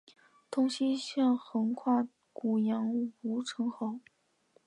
东西向横跨古杨吴城壕。